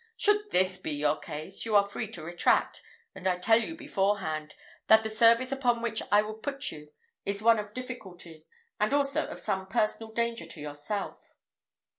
Should this be your case, you are free to retract; and I tell you beforehand, that the service upon which I would put you is one of difficulty, and also of some personal danger to yourself."